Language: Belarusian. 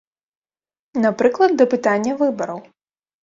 Напрыклад, да пытання выбараў.